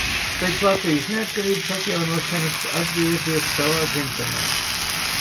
Pēc Latvijas neatkarības atjaunošanas atgriezies savā dzimtenē.